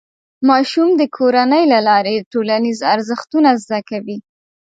ماشوم د کورنۍ له لارې ټولنیز ارزښتونه زده کوي.